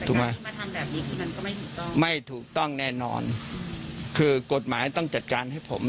ขึ้นมาไม่ถูกต้องแน่นอนคือกฎหมายต้องจัดการให้ผม